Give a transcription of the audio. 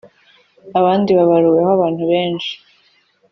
abandi barabaruweho abantu benshi